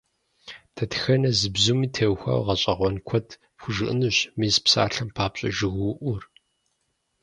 Дэтхэнэ зы бзуми теухуауэ гъэщӀэгъуэн куэд пхужыӀэнущ, мис псалъэм папщӀэ жыгыуӀур.